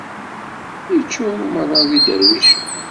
Yeččur umaḍal d iderwicen.